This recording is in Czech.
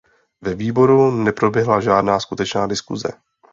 Ve výboru neproběhla žádná skutečná diskuse.